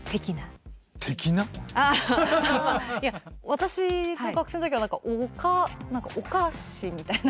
私が学生の時はおか「おかし」みたいな。